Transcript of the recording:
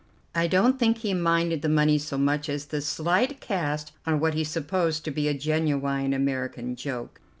I don't think he minded the money so much as the slight cast on what he supposed to be a genuine American joke.